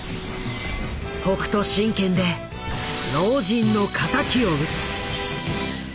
北斗神拳で老人の敵を討つ。